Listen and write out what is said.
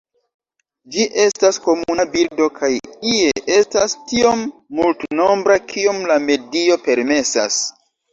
Ĝi estas komuna birdo kaj ie estas tiom multnombra kiom la medio permesas.